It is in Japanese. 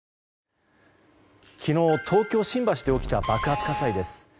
昨日、東京・新橋で起きた爆発火災です。